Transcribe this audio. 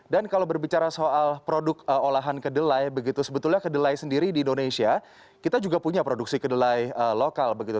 kalau berbicara soal produk olahan kedelai begitu sebetulnya kedelai sendiri di indonesia kita juga punya produksi kedelai lokal begitu